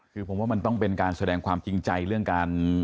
คือผมว่ามันต้องเป็นการแสดงความจริงใจเรื่องการ